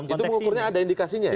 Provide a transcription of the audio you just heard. itu mengukurnya ada indikasinya ya